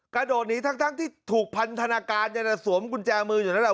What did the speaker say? กระโดดหนีทั้งที่ถูกพันธนาการสวมกุญแจมืออยู่นั่นแหละ